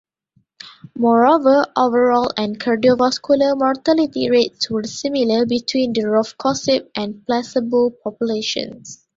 Moreover, overall and cardiovascular mortality rates were similar between the rofecoxib and placebo populations.